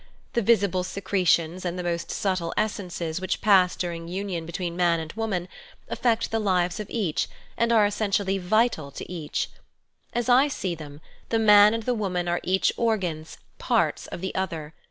The visible secretions and the most subtle essences which pass during union ' between man and woman, affect the lives of each and are essentially vital to each other. As I see them, the man and the woman are each organs, parts, of the other.